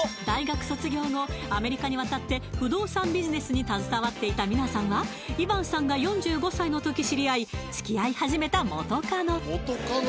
大学卒業後アメリカに渡って不動産ビジネスに携わっていたミナさんはイヴァンさんが４５歳の時知り合い付き合い始めた元カノ